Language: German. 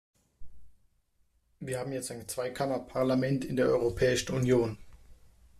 Wir haben jetzt ein Zweikammer-Parlament in der Europäischen Union.